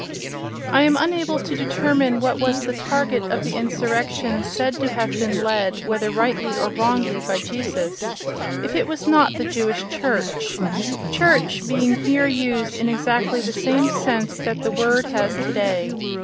I am unable to determine what was the target of the insurrection said to have been led (whether rightly or wrongly) by Jesus, if it was not the Jewish church—"church" being here used in exactly the same sense that the word has today.